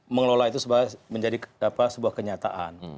mengelola itu menjadi sebuah kenyataan